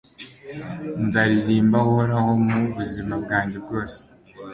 nzaririmba uhoraho, mu buzima bwanjye bwose